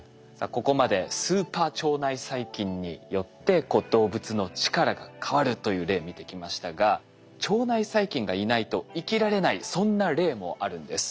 ここまでスーパー腸内細菌によってこう動物の力が変わるという例見てきましたが腸内細菌がいないと生きられないそんな例もあるんです。